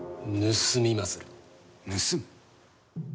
盗む？